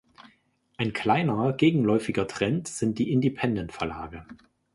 Ein kleiner, gegenläufiger Trend sind die Independent-Verlage.